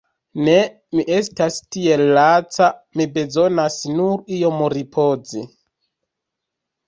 Ne, mi estas tiel laca, mi bezonas nur iom ripozi.